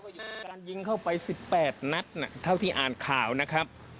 การยิงเข้าไปสิบแปดนัดน่ะเท่าที่อ่านข่าวนะครับ